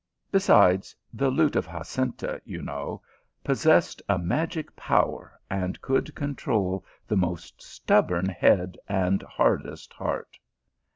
Besides, the lute of Jacinta, you know, possessed a magic power, and could control the most stubborn head and hardest heart.